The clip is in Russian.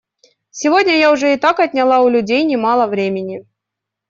Сегодня я уже и так отняла у людей немало времени.